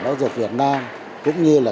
đói dục việt nam cũng như là